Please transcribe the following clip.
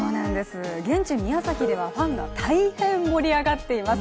現地宮崎では、ファンが大変盛り上がっています。